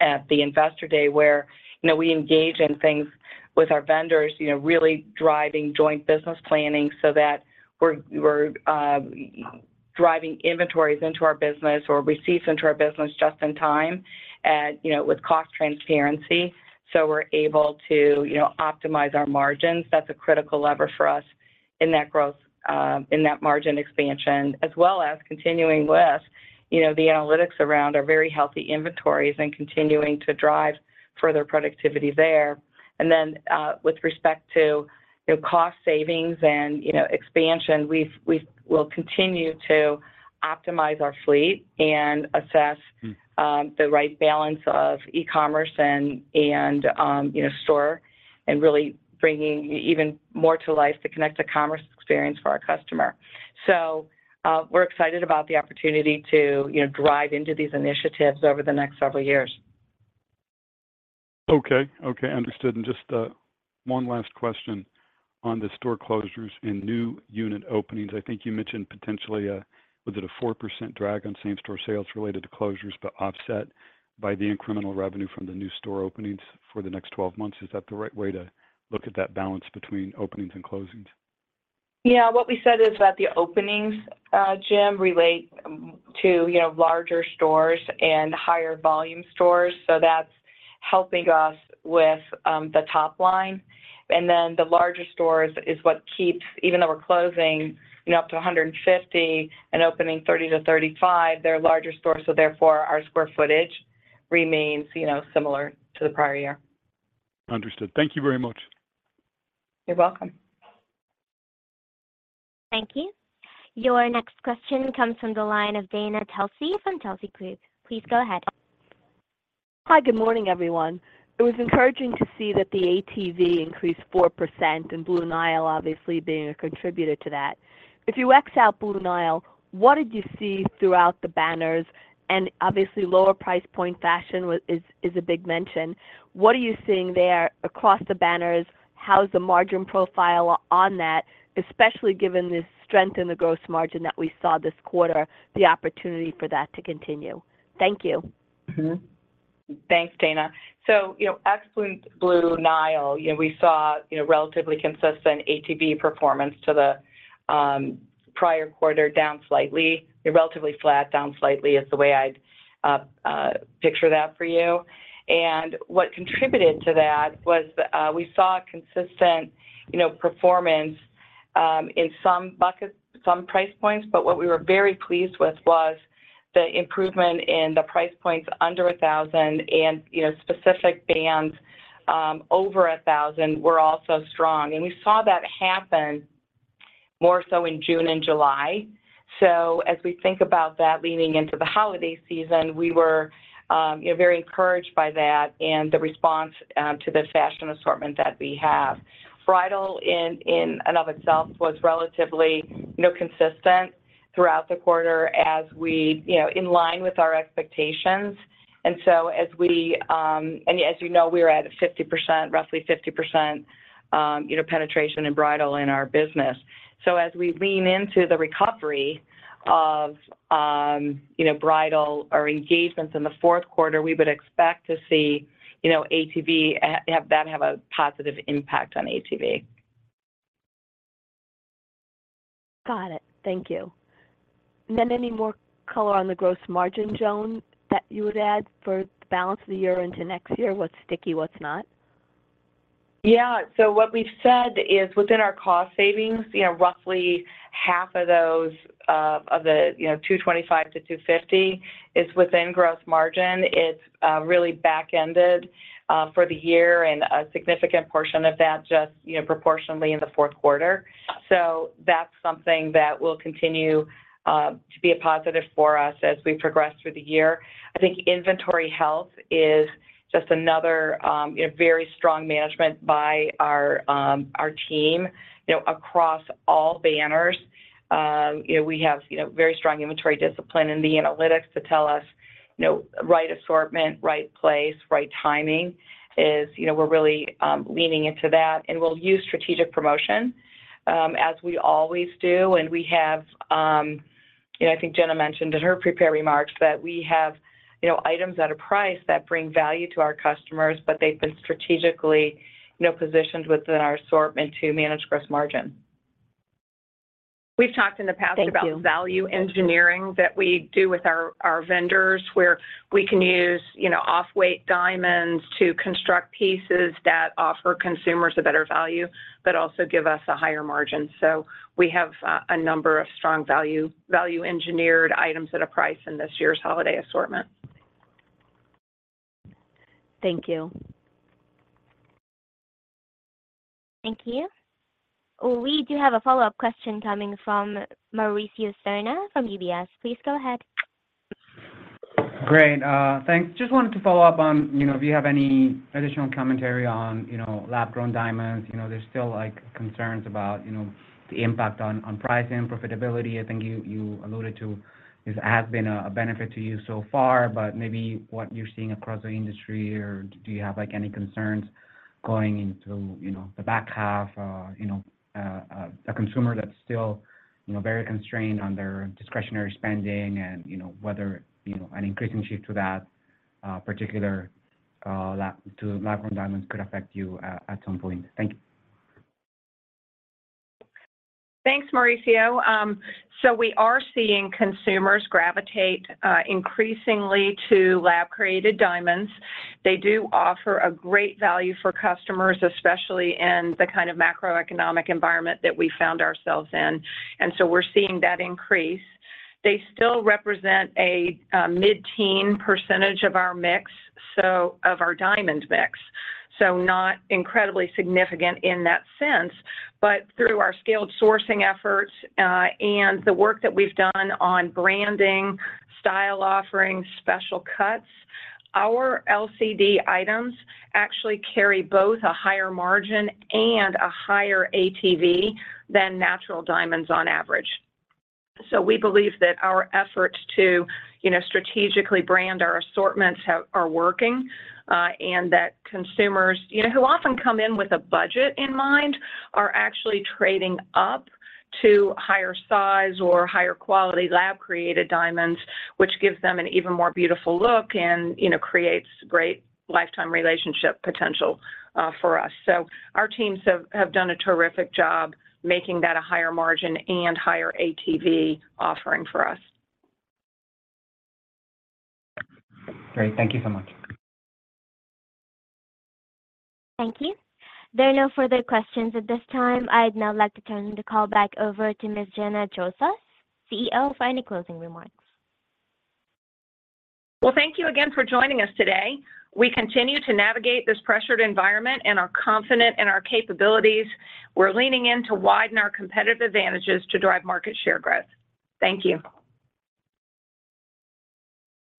at the investor day, where, you know, we engage in things with our vendors, you know, really driving joint business planning so that we're driving inventories into our business or receipts into our business just in time, and, you know, with cost transparency, so we're able to, you know, optimize our margins. That's a critical lever for us in that growth, in that margin expansion, as well as continuing with, you know, the analytics around our very healthy inventories and continuing to drive further productivity there. And then, with respect to, you know, cost savings and, you know, expansion, we will continue to optimize our fleet and assess the right balance of e-commerce and, you know, store and really bringing even more to life, the Connected Commerce experience for our customer. So, we're excited about the opportunity to, you know, drive into these initiatives over the next several years. Okay. Okay, understood. And just, one last question on the store closures and new unit openings. I think you mentioned potentially, was it a 4% drag on same-store sales related to closures, but offset by the incremental revenue from the new store openings for the next twelve months? Is that the right way to look at that balance between openings and closings? Yeah, what we said is that the openings, Jim, relate to, you know, larger stores and higher volume stores, so that's helping us with the top line. And then the larger stores is what keeps... Even though we're closing, you know, up to 150 and opening 30-35, they're larger stores, so therefore, our square footage remains, you know, similar to the prior year. Understood. Thank you very much. You're welcome. Thank you. Your next question comes from the line of Dana Telsey from Telsey Advisory Group. Please go ahead. Hi, good morning, everyone. It was encouraging to see that the ATV increased 4%, and Blue Nile obviously being a contributor to that. If you X out Blue Nile, what did you see throughout the banners? And obviously, lower price point fashion is a big mention. What are you seeing there across the banners? How's the margin profile on that, especially given the strength in the gross margin that we saw this quarter, the opportunity for that to continue? Thank you. Mm-hmm. Thanks, Dana. So, you know, ex Blue Nile, you know, we saw, you know, relatively consistent ATV performance to the prior quarter, down slightly. They're relatively flat, down slightly is the way I'd picture that for you. And what contributed to that was the we saw consistent, you know, performance in some buckets, some price points, but what we were very pleased with was the improvement in the price points under 1,000 and, you know, specific bands over 1,000 were also strong. And we saw that happen more so in June and July. So as we think about that leading into the holiday season, we were, you know, very encouraged by that and the response to the fashion assortment that we 5have. Bridal, in and of itself, was relatively, you know, consistent throughout the quarter as we, you know, in line with our expectations. And so as we, and as you know, we're at 50%, roughly 50%, you know, penetration in bridal in our business. So as we lean into the recovery of, you know, bridal or engagements in the fourth quarter, we would expect to see, you know, ATV have a positive impact on ATV. Got it. Thank you. And then any more color on the gross margin, Joan, that you would add for the balance of the year into next year? What's sticky, what's not? Yeah. So what we've said is within our cost savings, you know, roughly half of those of the $225 million-$250 million is within gross margin. It's really back-ended for the year, and a significant portion of that just, you know, proportionately in the fourth quarter. So that's something that will continue to be a positive for us as we progress through the year. I think inventory health is just another a very strong management by our team, you know, across all banners. You know, we have, you know, very strong inventory discipline and the analytics to tell us, you know, right assortment, right place, right timing is... You know, we're really leaning into that, and we'll use strategic promotion as we always do. We have, you know, I think Jenna mentioned in her prepared remarks that we have, you know, items at a price that bring value to our customers, but they've been strategically, you know, positioned within our assortment to manage gross margin. We've talked in the past- Thank you. about value engineering that we do with our vendors, where we can use, you know, off-weight diamonds to construct pieces that offer consumers a better value, but also give us a higher margin. So we have a number of strong value engineered items at a price in this year's holiday assortment. Thank you. Thank you. We do have a follow-up question coming from Mauricio Serna from UBS. Please go ahead. Great, thanks. Just wanted to follow up on, you know, if you have any additional commentary on, you know, lab-grown diamonds. You know, there's still, like, concerns about, you know, the impact on, on pricing, profitability. I think you, you alluded to this has been a, a benefit to you so far, but maybe what you're seeing across the industry, or do you have, like, any concerns going into, you know, the back half of, you know, a consumer that's still, you know, very constrained on their discretionary spending and, you know, whether, you know, an increasing shift to that particular lab-grown diamonds could affect you at some point. Thank you. Thanks, Mauricio. So we are seeing consumers gravitate increasingly to lab-created diamonds. They do offer a great value for customers, especially in the kind of macroeconomic environment that we found ourselves in, and so we're seeing that increase. They still represent a mid-teen percentage of our mix, so of our diamond mix, so not incredibly significant in that sense. But through our scaled sourcing efforts, and the work that we've done on branding, style offerings, special cuts, our LCD items actually carry both a higher margin and a higher ATV than natural diamonds on average. So we believe that our efforts to, you know, strategically brand our assortments are working, and that consumers, you know, who often come in with a budget in mind, are actually trading up to higher size or higher quality lab-created diamonds, which gives them an even more beautiful look and, you know, creates great lifetime relationship potential for us. So our teams have done a terrific job making that a higher margin and higher ATV offering for us. Great. Thank you so much. Thank you. There are no further questions at this time. I'd now like to turn the call back over to Ms. Gina Drosos, CEO, for any closing remarks. Well, thank you again for joining us today. We continue to navigate this pressured environment and are confident in our capabilities. We're leaning in to widen our competitive advantages to drive market share growth. Thank you.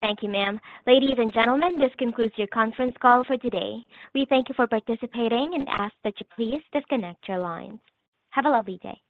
Thank you, ma'am. Ladies and gentlemen, this concludes your conference call for today. We thank you for participating and ask that you please disconnect your lines. Have a lovely day.